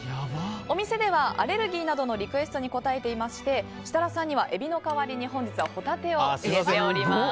お店ではアレルギーなどのリクエストに応えていまして設楽さんには、エビの代わりに本日はホタテを入れております。